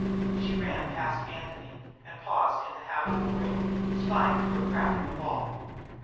She ran past Anthony and paused in the habitable room, spying through a crack in the wall.